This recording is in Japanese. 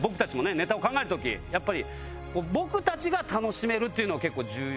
ネタを考える時やっぱり僕たちが楽しめるというのを結構重点に置いてるので。